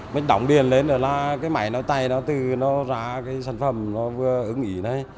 mới đóng điền lên là cái máy nó tay nó từ nó ra cái sản phẩm nó ứng ý này